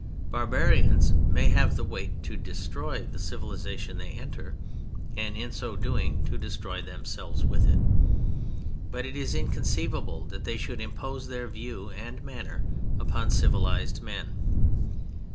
Barbarians may have the weight to destroy the civilization they enter, and in so doing to destroy themselves with it. But it is inconceivable that they should impose their view and manner upon civilized men.